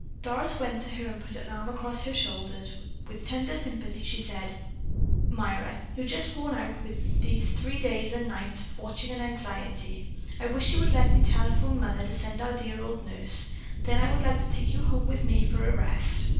Doris went to her and put an arm across her shoulders. With tender sympathy she said: "Myra, you're just worn out with these three days and nights of watching and anxiety. I wish you would let me telephone Mother to send our dear old nurse; then I would like to take you home with me for a rest."